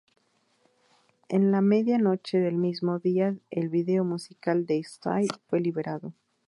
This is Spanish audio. En la medianoche del mismo día el video musical de "Style" fue liberado.